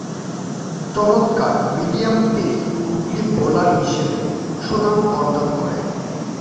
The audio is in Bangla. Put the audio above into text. চমৎকার মিডিয়াম-পেস গুগলি বোলার হিসেবে সুনাম অর্জন করেন।